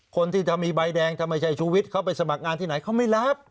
คนที่จะมีใบแดงถ้าไม่ใช่ชูวิทย์เขาไปสมัครงานที่ไหนเขาไม่รับ